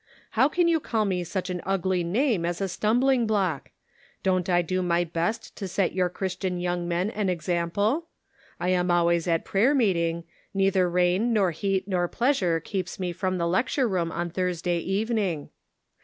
How can you call me such an ugly name as a stumbling block? Don't I do my best to set your Christian young men an example ? I am always at prayer meeting ; neither rain nor heat nor pleasure keeps me from the lecture room on Thursday evening.